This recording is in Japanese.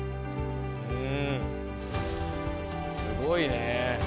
うんすごいね。